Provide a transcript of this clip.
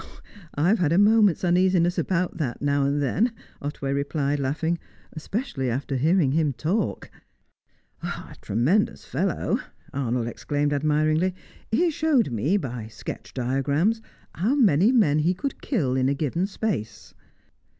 "I've had a moment's uneasiness about that, now and then," Otway replied, laughing, "especially after hearing him talk." "A tremendous fellow!" Arnold exclaimed admiringly. "He showed me, by sketch diagrams, how many men he could kill within a given space."